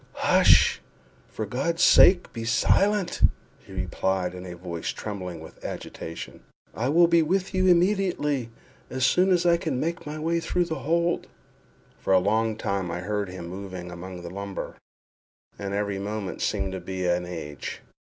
"Hush! for God's sake be silent!" he replied, in a voice trembling with agitation; "I will be with you immediately—as soon as I can make my way through the hold." For a long time I heard him moving among the lumber, and every moment seemed to me an age.